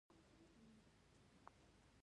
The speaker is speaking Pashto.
آیا بدل اخیستل د پښتونولۍ یو اصل نه دی؟